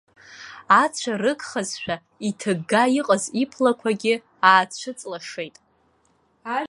Ацәа рыгхазшәа, иҭыгга иҟаз иблақәагьы аацәыҵлашеит.